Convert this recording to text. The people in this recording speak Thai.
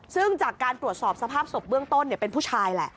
ซึ่งจากการตรวจสอบสภาพศพเบื้องต้นเป็นผู้ชายแหละ